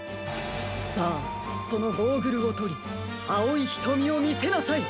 さあそのゴーグルをとりあおいひとみをみせなさい！